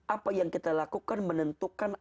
apa yang kita lakukan menentukan